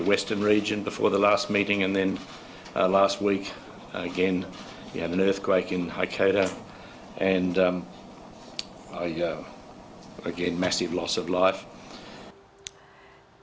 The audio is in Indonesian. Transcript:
kembali lagi kehilangan hidup yang besar